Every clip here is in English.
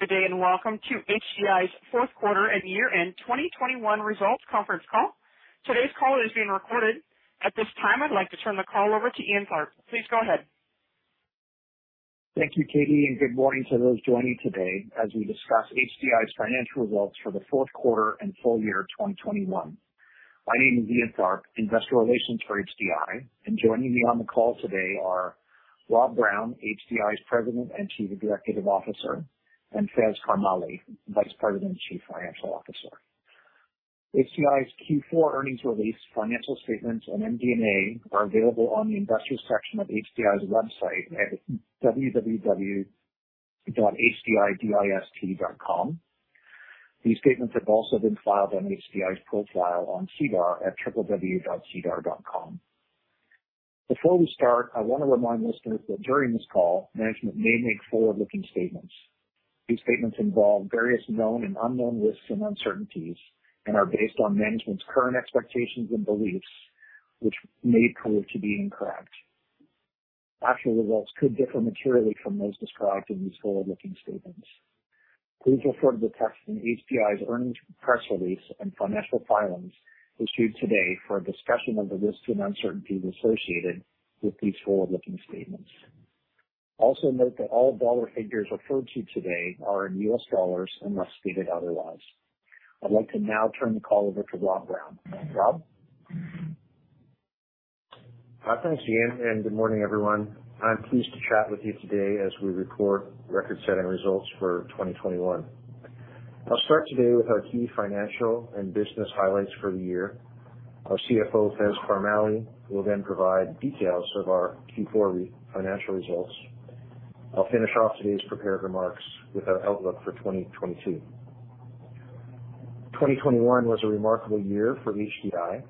Good day, and welcome to HDI's fourth quarter and year-end 2021 results conference call. Today's call is being recorded. At this time, I'd like to turn the call over to Ian Tharp. Please go ahead. Thank you, Katie, and good morning to those joining today as we discuss HDI's financial results for the fourth quarter and full year of 2021. My name is Ian Tharp, investor relations for HDI, and joining me on the call today are Rob Brown, HDI's President and Chief Executive Officer, and Faiz Karmally, Vice President and Chief Financial Officer. HDI's Q4 earnings release, financial statements and MD&A are available on the investors section of HDI's website at www.hdidist.com. These statements have also been filed on HDI's profile on SEDAR at www.sedar.com. Before we start, I wanna remind listeners that during this call, management may make forward-looking statements. These statements involve various known and unknown risks and uncertainties and are based on management's current expectations and beliefs, which may prove to be incorrect. Actual results could differ materially from those described in these forward-looking statements. Please refer to the text in HDI's earnings press release and financial filings issued today for a discussion of the risks and uncertainties associated with these forward-looking statements. Also note that all dollar figures referred to today are in U.S. dollars unless stated otherwise. I'd like to now turn the call over to Rob Brown. Rob? Thanks, Ian, and good morning, everyone. I'm pleased to chat with you today as we report record-setting results for 2021. I'll start today with our key financial and business highlights for the year. Our CFO, Faiz Karmally, will then provide details of our Q4 financial results. I'll finish off today's prepared remarks with our outlook for 2022. 2021 was a remarkable year for HDI.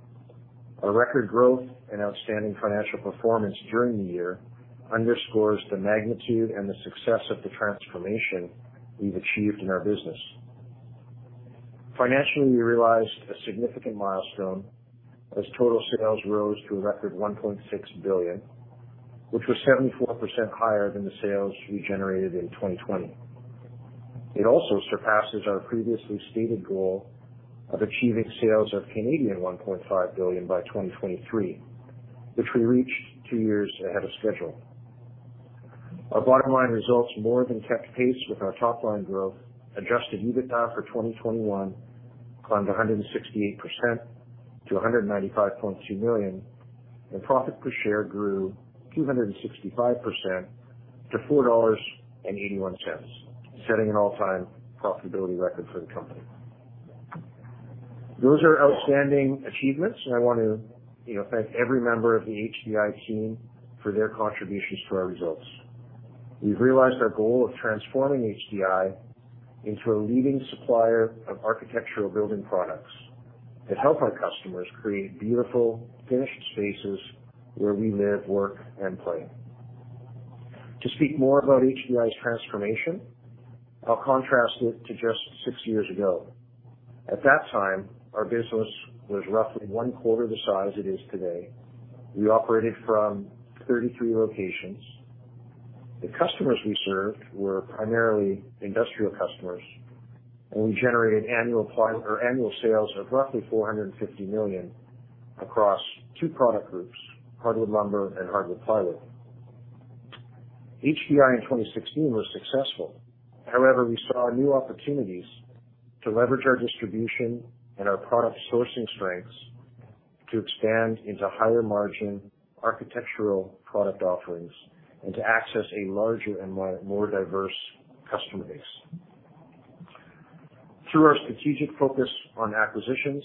Our record growth and outstanding financial performance during the year underscores the magnitude and the success of the transformation we've achieved in our business. Financially, we realized a significant milestone as total sales rose to a record $1.6 billion, which was 74% higher than the sales we generated in 2020. It also surpasses our previously stated goal of achieving sales of $1.5 billion by 2023, which we reached two years ahead of schedule. Our bottom line results more than kept pace with our top line growth. Adjusted EBITDA for 2021 climbed 168% to $195.2 million, and profit per share grew 265% to $4.81, setting an all-time profitability record for the company. Those are outstanding achievements, and I want to, you know, thank every member of the HDI team for their contributions to our results. We've realized our goal of transforming HDI into a leading supplier of architectural building products that help our customers create beautiful finished spaces where we live, work and play. To speak more about HDI's transformation, I'll contrast it to just six years ago. At that time, our business was roughly one quarter the size it is today. We operated from 33 locations. The customers we served were primarily industrial customers, and we generated annual sales of roughly $450 million across two product groups, hardwood lumber and hardwood plywood. HDI in 2016 was successful. However, we saw new opportunities to leverage our distribution and our product sourcing strengths to expand into higher margin architectural product offerings and to access a larger and more diverse customer base. Through our strategic focus on acquisitions,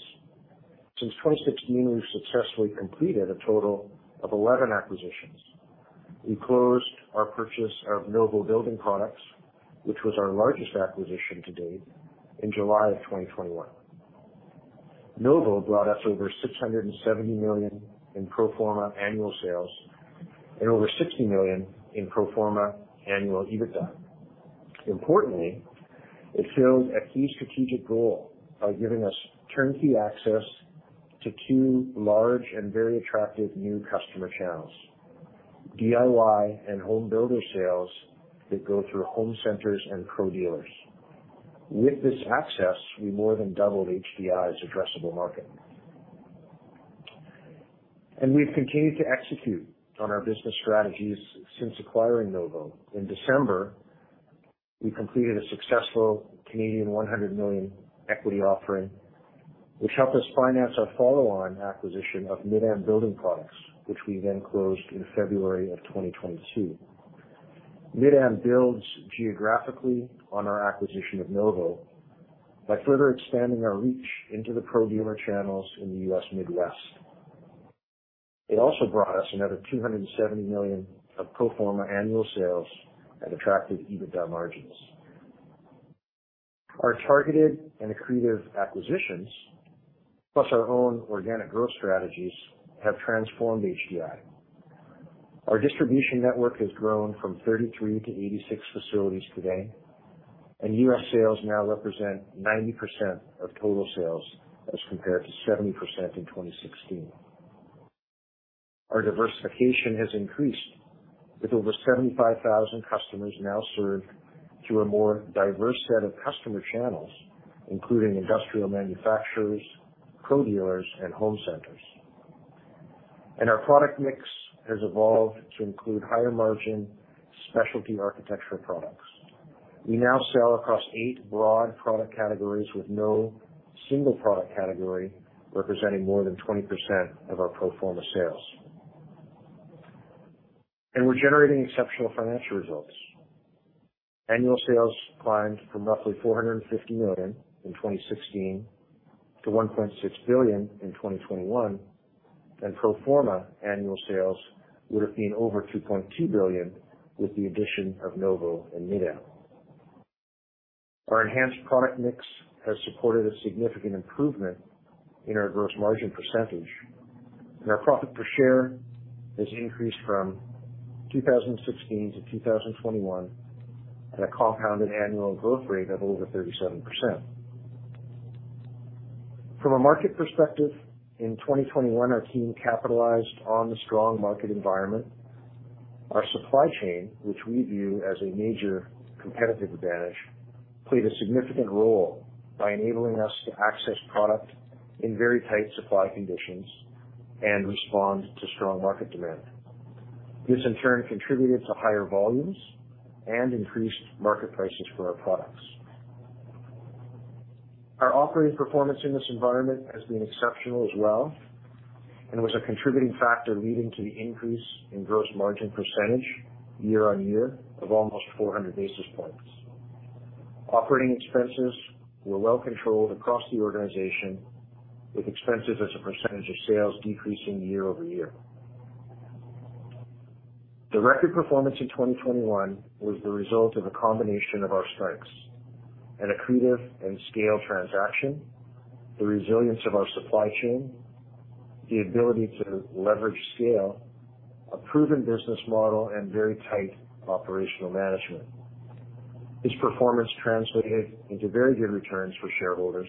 since 2016, we've successfully completed a total of 11 acquisitions. We closed our purchase of Novo Building Products, which was our largest acquisition to date, in July of 2021. Novo brought us over $670 million in pro forma annual sales and over $60 million in pro forma annual EBITDA. Importantly, it filled a key strategic goal by giving us turnkey access to two large and very attractive new customer channels, DIY and home builder sales that go through home centers and pro dealers. With this access, we more than doubled HDI's addressable market. We've continued to execute on our business strategies since acquiring Novo. In December, we completed a successful CAD $100 million equity offering, which helped us finance our follow-on acquisition of Mid-Am Building Supply, which we then closed in February 2022. Mid-Am builds geographically on our acquisition of Novo by further expanding our reach into the pro dealer channels in the U.S. Midwest. It also brought us another $270 million of pro forma annual sales and attractive EBITDA margins. Our targeted and accretive acquisitions, plus our own organic growth strategies, have transformed HDI. Our distribution network has grown from 33-86 facilities today, and U.S. sales now represent 90% of total sales as compared to 70% in 2016. Our diversification has increased with over 75,000 customers now served through a more diverse set of customer channels, including industrial manufacturers, pro-dealers and home centers. Our product mix has evolved to include higher margin specialty architectural products. We now sell across eight broad product categories with no single product category representing more than 20% of our pro forma sales. We're generating exceptional financial results. Annual sales climbed from roughly $450 million in 2016 to $1.6 billion in 2021, and pro forma annual sales would have been over $2.2 billion with the addition of Novo and Mid-Am. Our enhanced product mix has supported a significant improvement in our gross margin percentage, and our profit per share has increased from 2016 to 2021 at a compounded annual growth rate of over 37%. From a market perspective, in 2021, our team capitalized on the strong market environment. Our supply chain, which we view as a major competitive advantage, played a significant role by enabling us to access product in very tight supply conditions and respond to strong market demand. This in turn contributed to higher volumes and increased market prices for our products. Our operating performance in this environment has been exceptional as well and was a contributing factor leading to the increase in gross margin percentage year-on-year of almost 400 basis points. Operating expenses were well controlled across the organization, with expenses as a percentage of sales decreasing year-over-year. The record performance in 2021 was the result of a combination of our strengths, an accretive and scale transaction, the resilience of our supply chain, the ability to leverage scale, a proven business model and very tight operational management. This performance translated into very good returns for shareholders.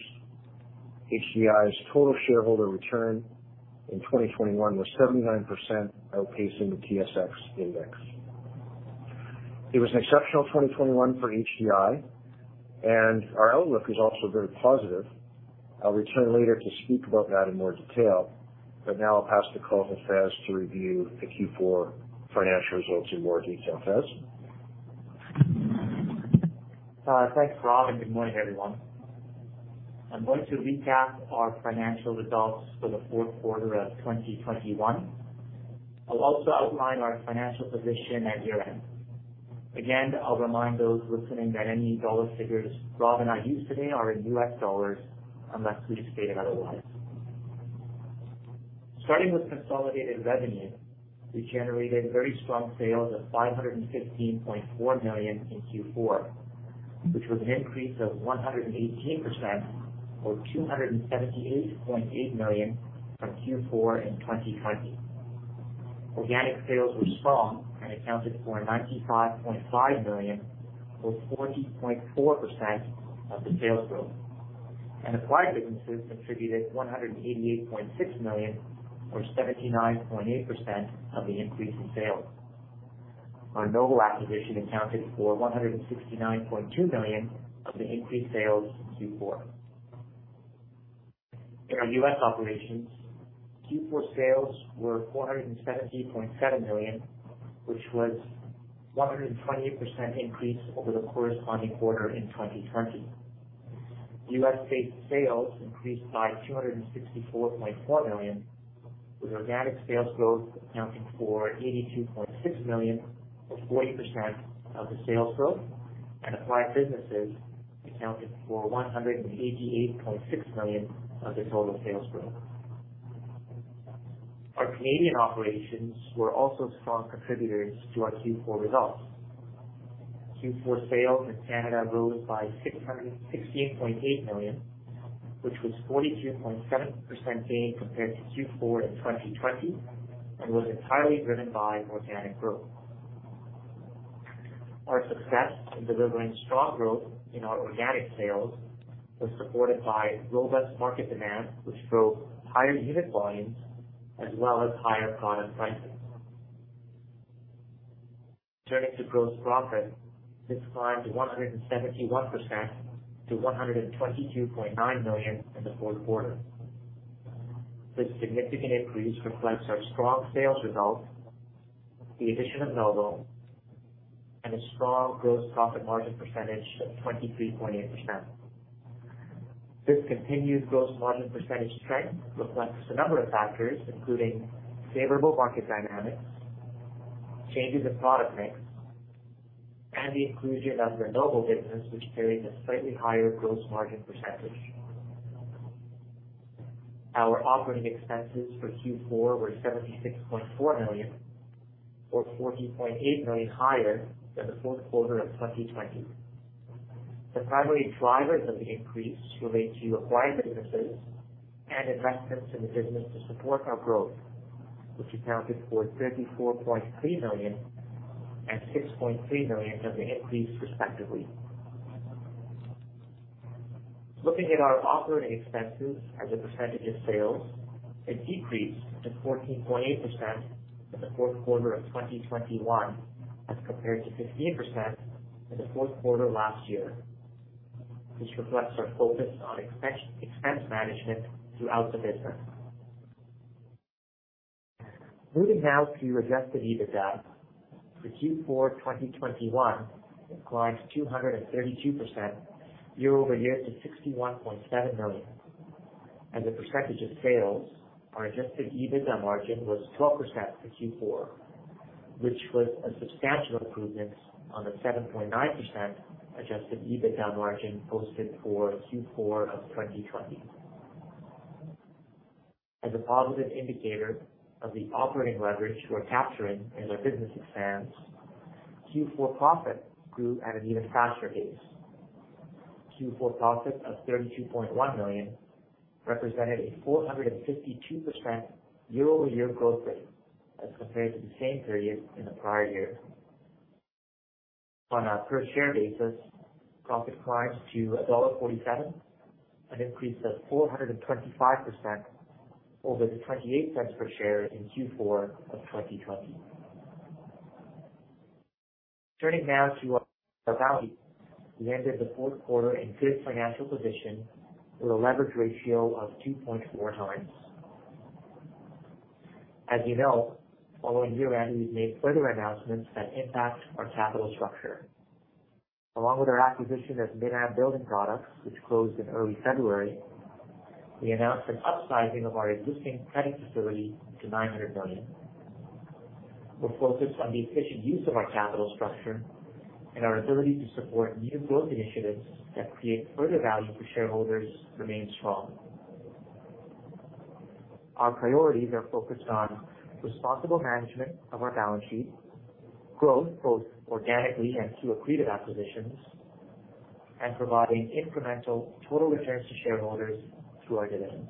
HDI's total shareholder return in 2021 was 79% outpacing the TSX index. It was an exceptional 2021 for HDI and our outlook is also very positive. I'll return later to speak about that in more detail, but now I'll pass the call to Faiz to review the Q4 financial results in more detail. Faiz? Thanks, Rob, and good morning, everyone. I'm going to recap our financial results for the fourth quarter of 2021. I'll also outline our financial position at year-end. Again, I'll remind those listening that any dollar figures Rob and I use today are in U.S. dollars unless we state otherwise. Starting with consolidated revenue, we generated very strong sales of $515.4 million in Q4, which was an increase of 118% or $278.8 million from Q4 in 2020. Organic sales were strong and accounted for $95.5 million or 40.4% of the sales growth. Acquired businesses contributed $188.6 million or 79.8% of the increase in sales. Our Novo acquisition accounted for $169.2 million of the increased sales in Q4. In our U.S. operations, Q4 sales were $470.7 million, which was 128% increase over the corresponding quarter in 2020. U.S.-based sales increased by $264.4 million, with organic sales growth accounting for $82.6 million or 40% of the sales growth, and acquired businesses accounted for $188.6 million of the total sales growth. Our Canadian operations were also strong contributors to our Q4 results. Q4 sales in Canada rose by $616.8 million, which was 42.7% gain compared to Q4 in 2020 and was entirely driven by organic growth. Our success in delivering strong growth in our organic sales was supported by robust market demand, which drove higher unit volumes as well as higher product pricing. Turning to gross profit, this climbed 171% to $122.9 million in the fourth quarter. This significant increase reflects our strong sales results, the addition of Novo and a strong gross profit margin percentage of 23.8%. This continued gross margin percentage trend reflects a number of factors, including favorable market dynamics, changes in product mix, and the inclusion of our Novo business, which carries a slightly higher gross margin percentage. Our operating expenses for Q4 were $76.4 million or $14.8 million higher than the fourth quarter of 2020. The primary drivers of the increase relate to acquired businesses and investments in the business to support our growth, which accounted for $34.3 million and $6.3 million of the increase, respectively. Looking at our operating expenses as a percentage of sales, it decreased to 14.8% in the fourth quarter of 2021 as compared to 15% in the fourth quarter last year. This reflects our focus on expense management throughout the business. Moving now to adjusted EBITDA. For Q4 2021, it climbed 232% year-over-year to $61.7 million. As a percentage of sales, our adjusted EBITDA margin was 12% for Q4, which was a substantial improvement on the 7.9% adjusted EBITDA margin posted for Q4 of 2020. As a positive indicator of the operating leverage we're capturing as our business expands, Q4 profit grew at an even faster pace. Q4 profit of $32.1 million represented a 452% year-over-year growth rate as compared to the same period in the prior year. On a per share basis, profit climbed to $1.47, an increase of 425% over the $0.28 per share in Q4 of 2020. Turning now to our balance. We ended the fourth quarter in good financial position with a leverage ratio of 2.4 times. As you know, following year-end, we've made further announcements that impact our capital structure. Along with our acquisition of Mid-Am Building Supply, which closed in early February, we announced an upsizing of our existing credit facility to $900 million. We're focused on the efficient use of our capital structure and our ability to support new growth initiatives that create further value for shareholders remains strong. Our priorities are focused on responsible management of our balance sheet, growth, both organically and through accretive acquisitions, and providing incremental total returns to shareholders through our dividends.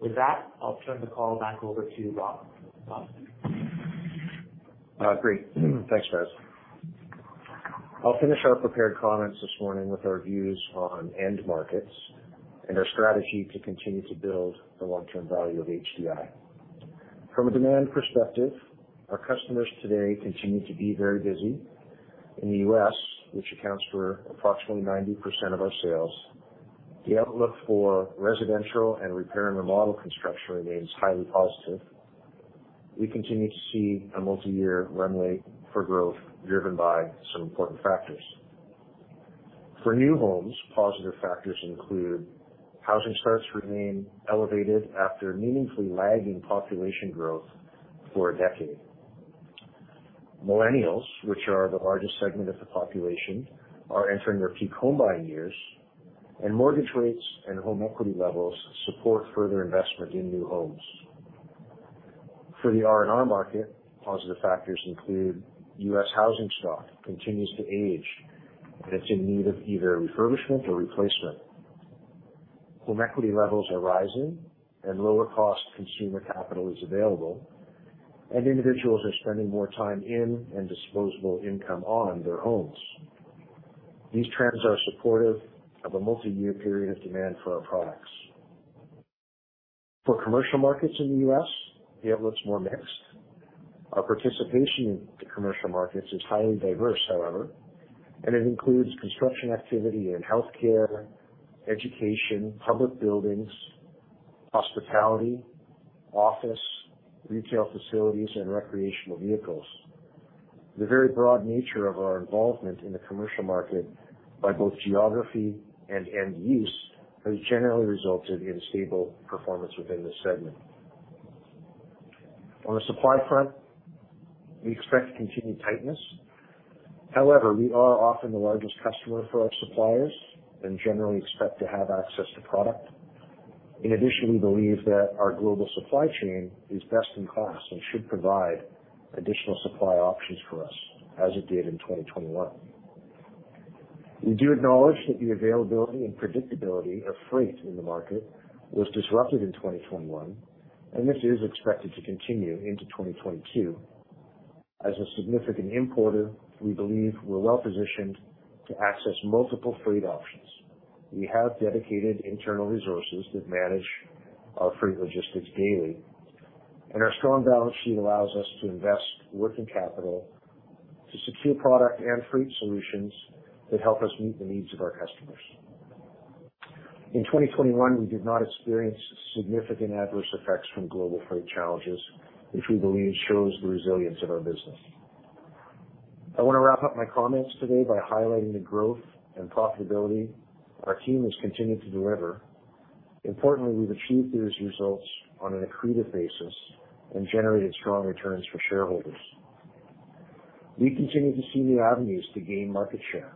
With that, I'll turn the call back over to Rob. Great. Thanks, Faiz. I'll finish our prepared comments this morning with our views on end markets and our strategy to continue to build the long-term value of HDI. From a demand perspective, our customers today continue to be very busy. In the U.S., which accounts for approximately 90% of our sales, the outlook for residential and repair and remodel construction remains highly positive. We continue to see a multiyear runway for growth driven by some important factors. For new homes, positive factors include housing starts remain elevated after meaningfully lagging population growth for a decade. Millennials, which are the largest segment of the population, are entering their peak home buying years, and mortgage rates and home equity levels support further investment in new homes. For the R&R market, positive factors include U.S. housing stock continues to age, and it's in need of either refurbishment or replacement. Home equity levels are rising and lower cost consumer capital is available, and individuals are spending more time in and disposable income on their homes. These trends are supportive of a multi-year period of demand for our products. For commercial markets in the U.S., the outlook's more mixed. Our participation in the commercial markets is highly diverse, however, and it includes construction activity in healthcare, education, public buildings, hospitality, office, retail facilities, and recreational vehicles. The very broad nature of our involvement in the commercial market by both geography and end use has generally resulted in stable performance within this segment. On the supply front, we expect continued tightness. However, we are often the largest customer for our suppliers and generally expect to have access to product. In addition, we believe that our global supply chain is best in class and should provide additional supply options for us as it did in 2021. We do acknowledge that the availability and predictability of freight in the market was disrupted in 2021, and this is expected to continue into 2022. As a significant importer, we believe we're well-positioned to access multiple freight options. We have dedicated internal resources that manage our freight logistics daily, and our strong balance sheet allows us to invest working capital to secure product and freight solutions that help us meet the needs of our customers. In 2021, we did not experience significant adverse effects from global freight challenges, which we believe shows the resilience of our business. I wanna wrap up my comments today by highlighting the growth and profitability our team has continued to deliver. Importantly, we've achieved these results on an accretive basis and generated strong returns for shareholders. We continue to see new avenues to gain market share.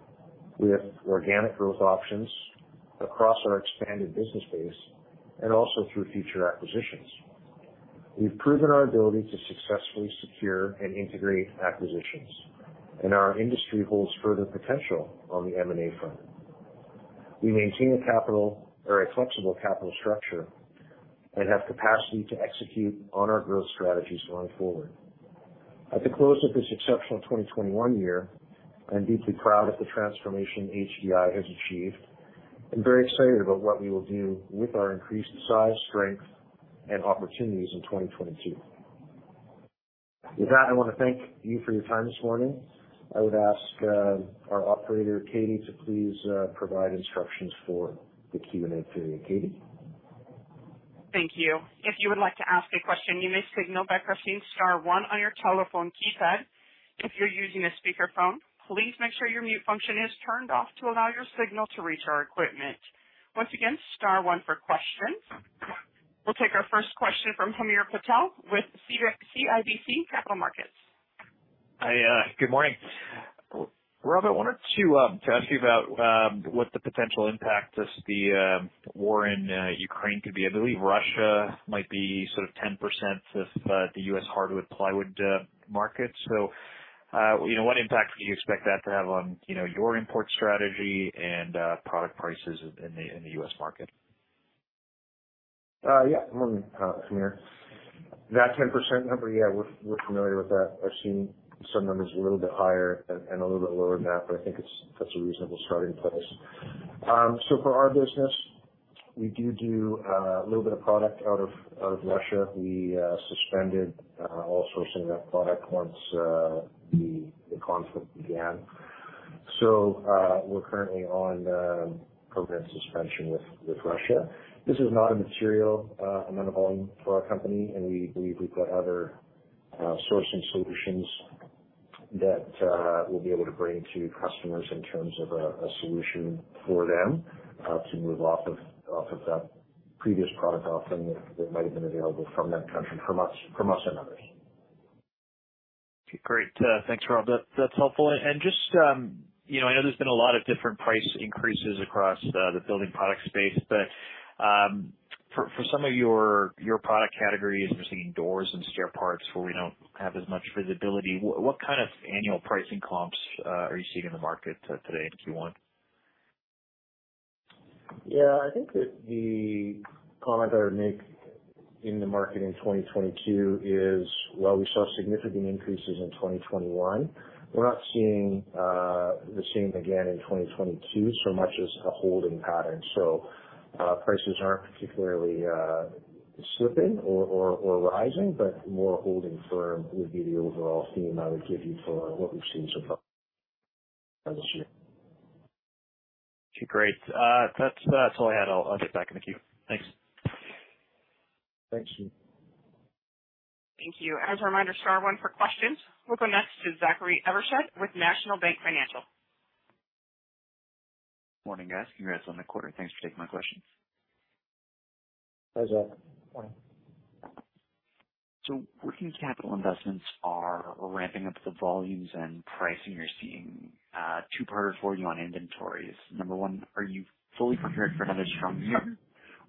We have organic growth options across our expanded business base and also through future acquisitions. We've proven our ability to successfully secure and integrate acquisitions, and our industry holds further potential on the M&A front. We maintain a capital or a flexible capital structure and have capacity to execute on our growth strategies going forward. At the close of this exceptional 2021 year, I am deeply proud of the transformation HDI has achieved and very excited about what we will do with our increased size, strength, and opportunities in 2022. With that, I wanna thank you for your time this morning. I would ask our operator, Katie, to please provide instructions for the Q&A period. Katie? Thank you. If you would like to ask a question, you may signal by pressing star one on your telephone keypad. If you're using a speakerphone, please make sure your mute function is turned off to allow your signal to reach our equipment. Once again, star one for questions. We'll take our first question from Hamir Patel with CIBC Capital Markets. Hi, good morning. Rob, I wanted to ask you about what the potential impact of the war in Ukraine could be. I believe Russia might be sort of 10% of the U.S. hardwood plywood market. You know, what impact do you expect that to have on, you know, your import strategy and product prices in the U.S. market? Yeah, morning, Hamir. That 10% number, yeah, we're familiar with that. I've seen some numbers a little bit higher and a little bit lower than that, but I think that's a reasonable starting place. For our business, we do a little bit of product out of Russia. We suspended all sourcing of that product once the conflict began. We're currently on program suspension with Russia. This is not a material amount of volume for our company, and we believe we've got other sourcing solutions that we'll be able to bring to customers in terms of a solution for them to move off of that previous product offering that might have been available from that country, from us and others. Okay, great. Thanks, Rob. That's helpful. Just, you know, I know there's been a lot of different price increases across the building product space, but for some of your product categories, especially in doors and stair parts where we don't have as much visibility, what kind of annual pricing comps are you seeing in the market today in Q1? Yeah, I think that the comment I would make in the market in 2022 is, while we saw significant increases in 2021, we're not seeing the same again in 2022, so much as a holding pattern. Prices aren't particularly slipping or rising, but more holding firm would be the overall theme I would give you for what we've seen so far this year. Great. That's all I had. I'll get back in the queue. Thanks. Thanks. Thank you. As a reminder, star one for questions. We'll go next to Zachary Evershed with National Bank Financial. Morning, guys. Congrats on the quarter. Thanks for taking my questions. Hi, Zach. Morning. Working capital investments are ramping up the volumes and pricing you're seeing. Two-parter for you on inventories. Number one, are you fully prepared for another strong year,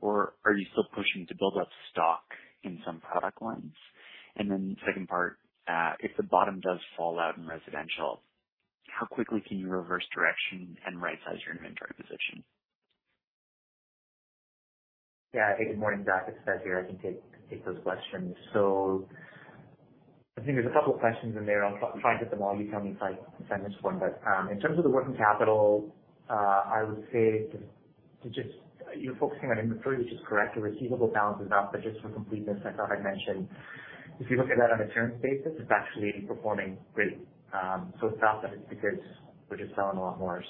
or are you still pushing to build up stock in some product lines? Second part, if the bottom does fall out in residential, how quickly can you reverse direction and right-size your inventory position? Hey, good morning, Zach. It's Seth here. I can take those questions. I think there's a couple questions in there. I'll try and hit them all. You tell me if I miss one. In terms of the working capital, I would say to just you're focusing on inventory, which is correct. The receivable balance is up. Just for completeness, I thought I'd mention, if you look at that on a term basis, it's actually performing great. It's not that it's because we're just selling a lot more.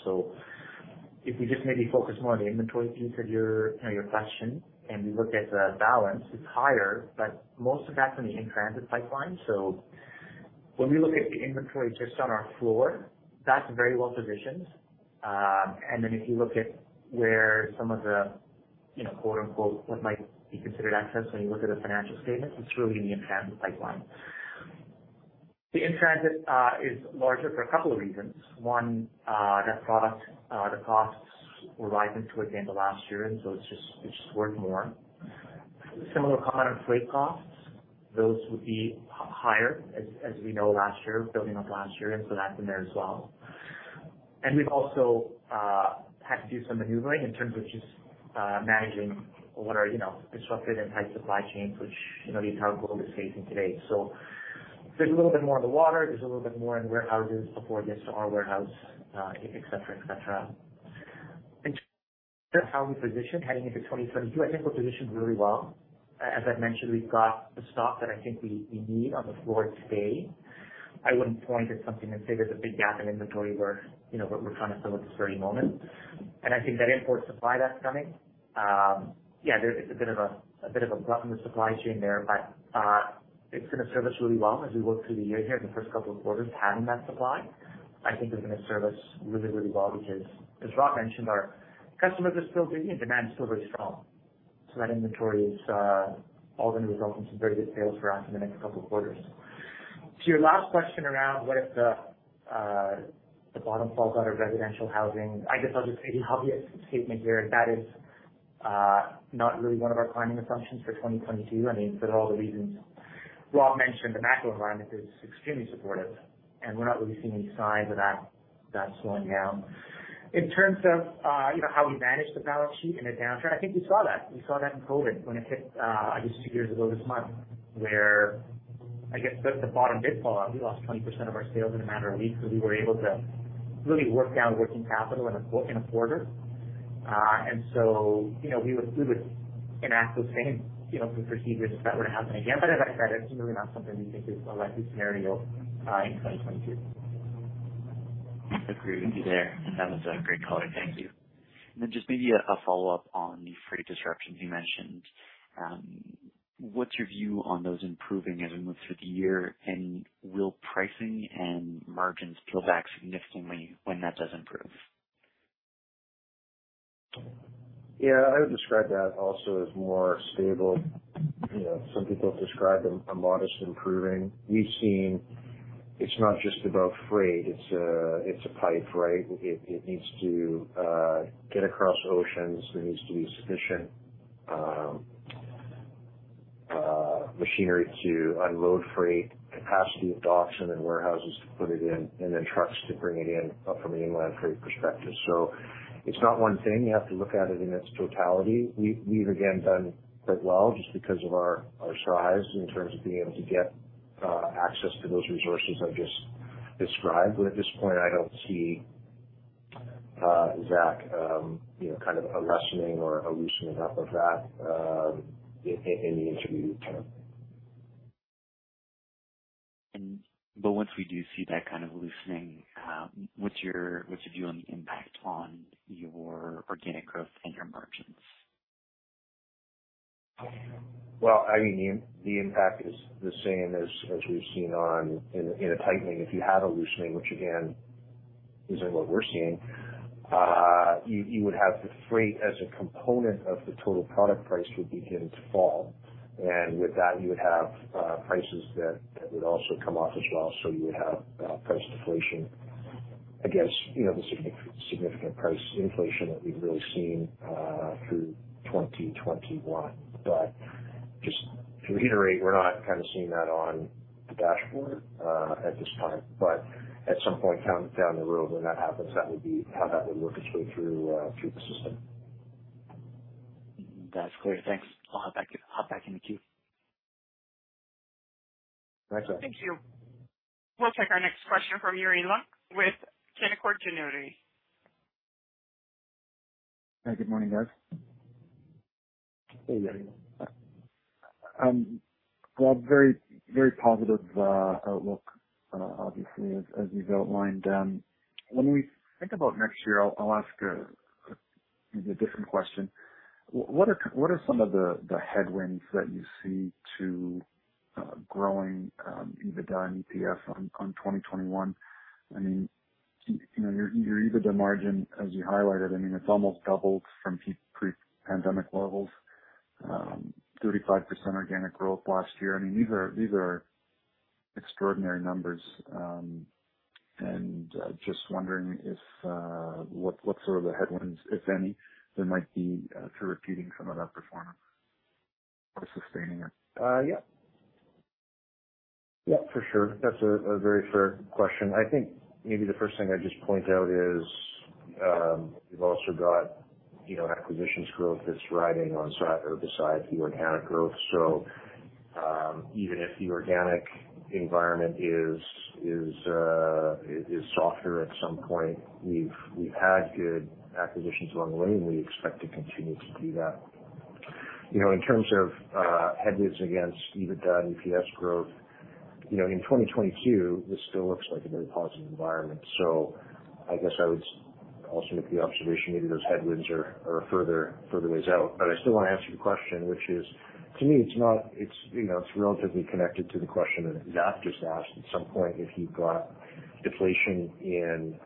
If we just maybe focus more on the inventory piece of your, you know, your question, and we look at the balance, it's higher, but most of that's in the in-transit pipeline. When we look at the inventory just on our floor, that's very well positioned. If you look at where some of the, you know, quote unquote, what might be considered excess when you look at a financial statement, it's really in the in-transit pipeline. The in-transit is larger for a couple of reasons. One, that product, the costs were rising towards the end of last year, and so it's just worth more. Similar comment on freight costs. Those would be higher, as we know, last year, building off last year, and so that's in there as well. We've also had to do some maneuvering in terms of just managing what are, you know, disrupted and tight supply chains, which, you know, the entire globe is facing today. There's a little bit more in the water. There's a little bit more in warehouses before it gets to our warehouse, et cetera, etc. In terms of how we position heading into 2022, I think we're positioned really well. As I've mentioned, we've got the stock that I think we need on the floor today. I wouldn't point at something and say there's a big gap in inventory where, you know, we're trying to fill at this very moment. I think that import supply that's coming, it's a bit of a glut in the supply chain there. It's gonna serve us really well as we work through the year here, the first couple of quarters, having that supply, I think is gonna serve us really, really well because as Rob mentioned, our customers are still digging and demand is still very strong. That inventory is all gonna result in some very good sales for us in the next couple of quarters. To your last question around what if the bottom falls out of residential housing, I guess I'll just give you an obvious statement here, and that is not really one of our planning assumptions for 2022. I mean, for all the reasons Rob mentioned, the macro environment is extremely supportive. We're not really seeing any signs of that slowing down. In terms of, you know, how we manage the balance sheet in a downturn, I think you saw that. You saw that in COVID when it hit, I guess two years ago this month, where I guess the bottom did fall out. We lost 20% of our sales in a matter of weeks, so we were able to really work down working capital in a quarter. You know, we would enact those same, you know, procedures if that were to happen again. As I said, it's really not something we think is a likely scenario in 2022. Agree with you there, and that was a great color. Thank you. Just maybe a follow-up on the freight disruptions you mentioned. What's your view on those improving as we move through the year? Will pricing and margins peel back significantly when that does improve? Yeah, I would describe that also as more stable. You know, some people describe them as modestly improving. We've seen it's not just about freight, it's a pipe, right? It needs to get across oceans. There needs to be sufficient machinery to unload freight, capacity at docks and then warehouses to put it in, and then trucks to bring it in from an inland freight perspective. So it's not one thing. You have to look at it in its totality. We've again done quite well just because of our size in terms of being able to get access to those resources I've just described. But at this point, I don't see, Zach, you know, kind of a lessening or a loosening up of that in the intermediate term. Once we do see that kind of loosening, what's your view on the impact on your organic growth and your margins? Well, I mean, the impact is the same as we've seen in a tightening. If you have a loosening, which again isn't what we're seeing, you would have the freight as a component of the total product price would begin to fall. With that, you would have prices that would also come off as well. You would have price deflation against, you know, the significant price inflation that we've really seen through 2021. Just to reiterate, we're not kind of seeing that on the dashboard at this point. At some point down the road when that happens, that would be how that would work its way through the system. That's clear. Thanks. I'll hop back in the queue. Thanks, Zach. Thank you. We'll take our next question from Yuri Lynk with Canaccord Genuity. Hi, good morning, guys. Hey, Yuri. Well, very positive outlook, obviously as you've outlined. When we think about next year, I'll ask a maybe a different question. What are some of the headwinds that you see to growing EBITDA and EPS on 2021? I mean, you know, your EBITDA margin, as you highlighted, I mean, it's almost doubled from pre-pandemic levels. 35% organic growth last year. I mean, these are extraordinary numbers. Just wondering if what sort of the headwinds, if any, there might be to repeating some of that performance or sustaining it? Yeah for sure. That's a very fair question. I think maybe the first thing I'd just point out is, you've also got, you know, acquisitions growth that's riding beside the organic growth. Even if the organic environment is softer at some point, we've had good acquisitions along the way, and we expect to continue to do that. You know, in terms of headwinds against EBITDA and EPS growth, you know, in 2022, this still looks like a very positive environment. I guess I would also make the observation maybe those headwinds are further ways out. I still want to answer your question, which is, to me, it's, you know, it's relatively connected to the question that Zach just asked. At some point, if you've got deflation in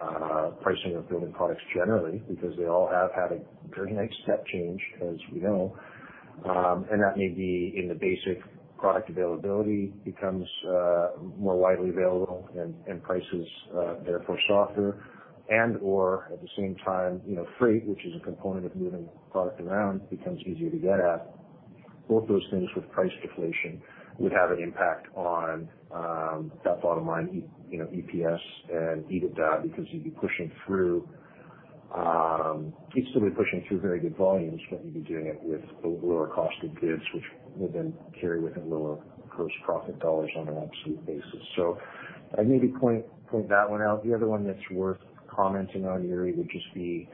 pricing of building products generally, because they all have had a very nice step change, as we know. That may be as the basic product availability becomes more widely available and prices therefore softer. And/or at the same time, you know, freight, which is a component of moving product around, becomes easier to get at. Both those things with price deflation would have an impact on that bottom line, you know, EPS and EBITDA, because you'd be pushing through. You'd still be pushing through very good volumes, but you'd be doing it with lower cost of goods, which would then carry with it lower gross profit dollars on an absolute basis. So I'd maybe point that one out. The other one that's worth commenting on, Yuri, would just be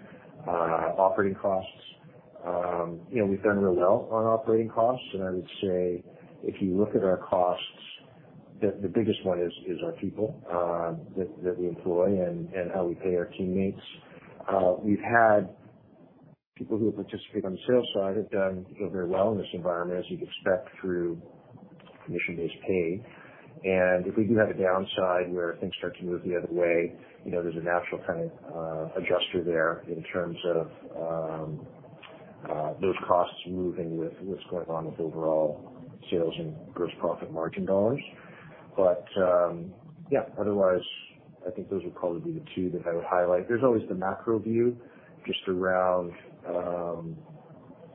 operating costs. You know, we've done real well on operating costs. I would say if you look at our costs, the biggest one is our people that we employ and how we pay our teammates. We've had people who have participated on the sales side have done very well in this environment, as you'd expect, through commission-based pay. If we do have a downside where things start to move the other way, you know, there's a natural kind of adjuster there in terms of those costs moving with what's going on with overall sales and gross profit margin dollars. Otherwise, yeah, I think those would probably be the two that I would highlight. There's always the macro view just around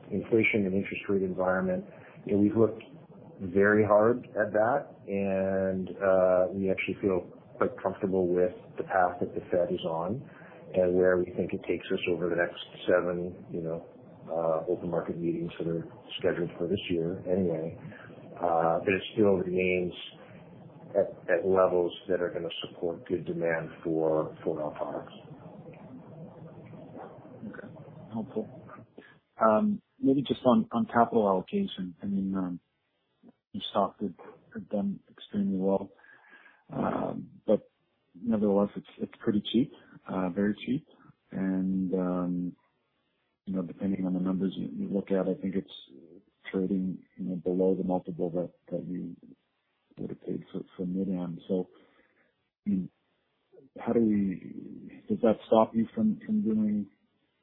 inflation and interest rate environment, you know, we've looked very hard at that, and we actually feel quite comfortable with the path that the Fed is on and where we think it takes us over the next seven open market meetings that are scheduled for this year anyway. It still remains at levels that are gonna support good demand for our products. Okay. Helpful. Maybe just on capital allocation, I mean, your stock has done extremely well. Nevertheless, it's pretty cheap, very cheap. You know, depending on the numbers you look at, I think it's trading, you know, below the multiple that you would have paid for Mid-Am. Does that stop you from doing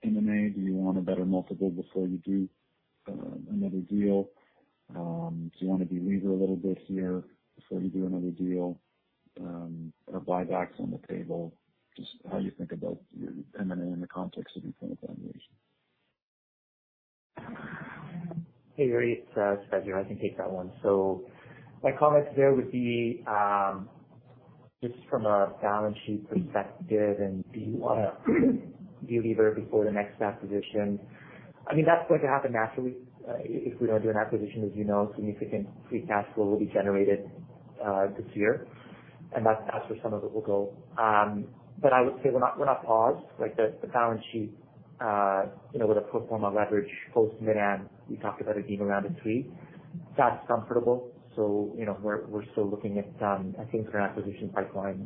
M&A? Do you want a better multiple before you do another deal? Do you wanna de-lever a little bit here before you do another deal? Are buybacks on the table? Just how you think about your M&A in the context of your current valuation. Hey, Yuri Lynk, it's Faiz Karmally here. I can take that one. My comments there would be just from a balance sheet perspective, and do you wanna de-lever before the next acquisition? I mean, that's going to happen naturally. If we don't do an acquisition, as you know, significant free cash flow will be generated this year, and that's where some of it will go. But I would say we're not paused. Like, the balance sheet, you know, with a pro forma leverage post Mid-Am, we talked about it being around a 3. That's comfortable. So, you know, we're still looking at, I think, for an acquisition pipeline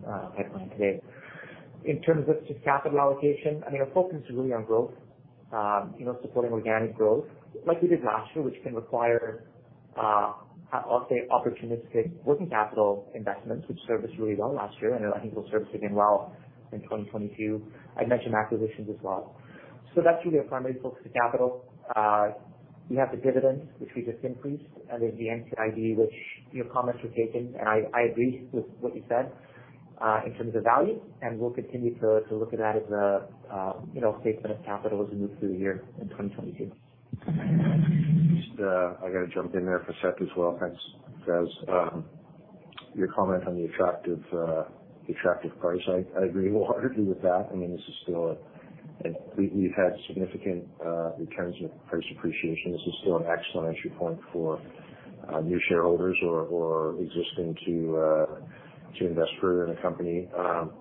today. In terms of just capital allocation, I mean, our focus is really on growth, you know, supporting organic growth like we did last year, which can require, I'll say opportunistic working capital investments, which served us really well last year, and I think will serve us again well in 2022. I'd mention acquisitions as well. That's really our primary focus of capital. We have the dividends, which we just increased, and there's the NCIB, which your comments were taken, and I agree with what you said, in terms of value, and we'll continue to look at that as a, you know, statement of capital as we move through the year in 2022. Just, I gotta jump in there, Faiz, as well. Thanks, Faiz. Your comment on the attractive price, I agree wholeheartedly with that. I mean, this is still a. We've had significant returns in price appreciation. This is still an excellent entry point for new shareholders or existing to invest further in the company.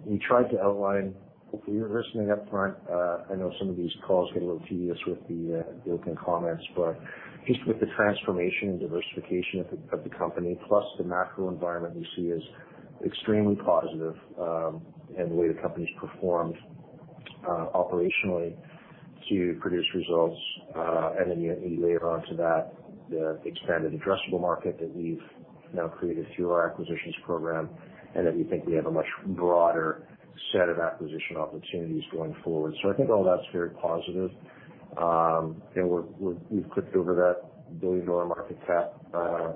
We tried to outline, hopefully you were listening up front. I know some of these calls get a little tedious with the built-in comments, but just with the transformation and diversification of the company, plus the macro environment we see as extremely positive, and the way the company's performed operationally to produce results, and then yet layer onto that the expanded addressable market that we've now created through our acquisitions program, and that we think we have a much broader set of acquisition opportunities going forward. I think all that's very positive. We've clicked over that billion-dollar market cap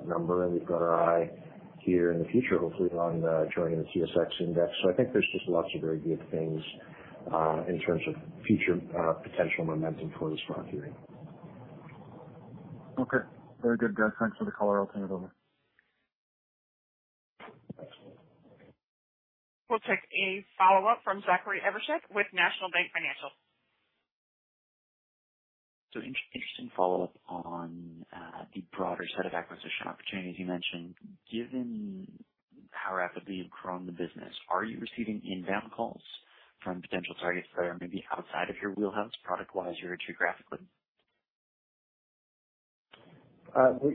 number, and we've got our eye here in the future, hopefully on joining the TSX index. I think there's just lots of very good things in terms of future potential momentum for the stock here. Okay. Very good, guys. Thanks for the color. I'll turn it over. We'll take a follow-up from Zachary Evershed with National Bank Financial. Interesting follow-up on the broader set of acquisition opportunities you mentioned. Given how rapidly you've grown the business, are you receiving inbound calls from potential targets that are maybe outside of your wheelhouse product wise or geographically?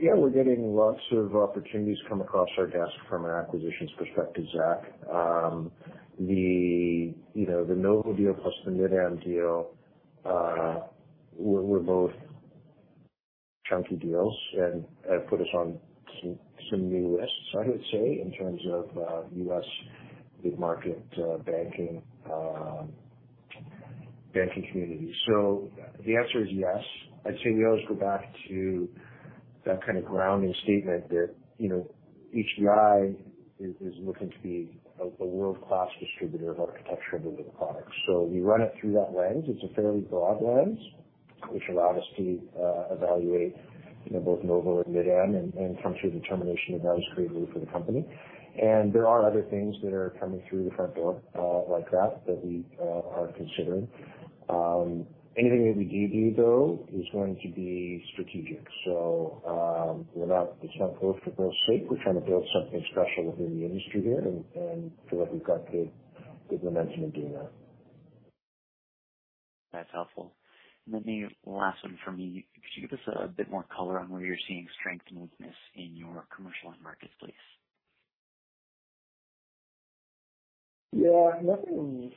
Yeah, we're getting lots of opportunities come across our desk from an acquisitions perspective, Zach. The, you know, the Novo deal plus the Mid-Am deal were both chunky deals and have put us on some new lists, I would say, in terms of U.S. big market banking community. The answer is yes. I'd say we always go back to that kind of grounding statement that, you know, HDI is looking to be a world-class distributor of architectural wood products. We run it through that lens. It's a fairly broad lens which allows us to evaluate, you know, both Novo and Mid-Am and come to a determination if that is accretive for the company. There are other things that are coming through the front door like that that we are considering. Anything that we do, though, is going to be strategic. It's not growth for growth's sake. We're trying to build something special within the industry here and feel like we've got good momentum in doing that. That's helpful. The last one from me, could you give us a bit more color on where you're seeing strength and weakness in your commercial end marketplace? Yeah. Nothing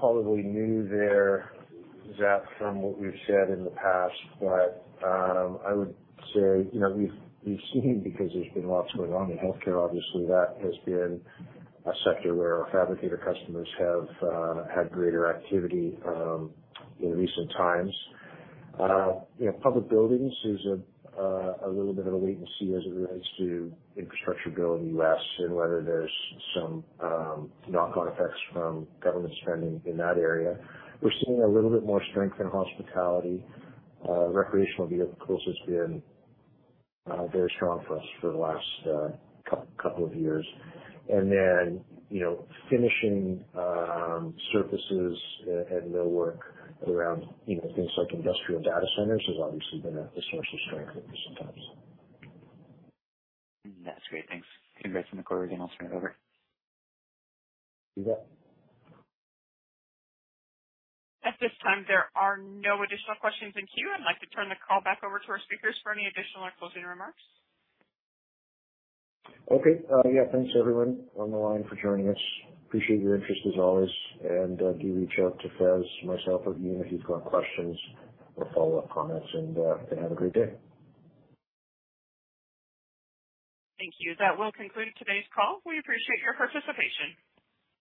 probably new there, Zach, from what we've said in the past, but I would say, you know, we've seen, because there's been lots going on in healthcare, obviously, that has been a sector where our fabricator customers have had greater activity in recent times. You know, public buildings is a little bit of a wait and see as it relates to infrastructure bill in the U.S. and whether there's some knock on effects from government spending in that area. We're seeing a little bit more strength in hospitality. Recreational vehicles has been very strong for us for the last couple of years. Finishing surfaces and millwork around, you know, things like industrial data centers has obviously been a source of strength recent times. That's great. Thanks. Congrats on the quarter, and I'll turn it over. You bet. At this time, there are no additional questions in queue. I'd like to turn the call back over to our speakers for any additional or closing remarks. Okay. Yeah, thanks, everyone on the line for joining us. Appreciate your interest as always. Do reach out to Faiz, myself, or Ian if you've got questions or follow-up comments and have a great day. Thank you. That will conclude today's call. We appreciate your participation.